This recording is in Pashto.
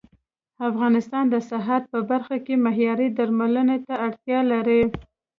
افغانستان د صحت په برخه کې معياري درملو ته اړتيا لري